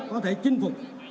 có thể chinh phục